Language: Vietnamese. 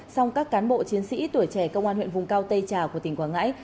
song các cán bộ chiến sĩ tuổi trẻ công an huyện vùng cao tây trà của tỉnh quảng ngãi